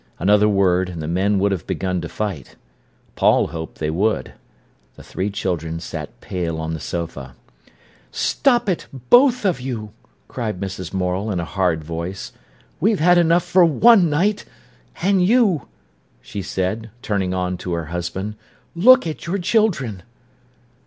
Another word, and the men would have begun to fight. Paul hoped they would. The three children sat pale on the sofa. "Stop it, both of you," cried Mrs. Morel in a hard voice. "We've had enough for one night. And you," she said, turning on to her husband, "look at your children!"